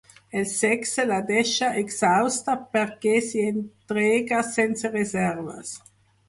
El sexe la deixa exhausta perquè s'hi entrega sense reserves.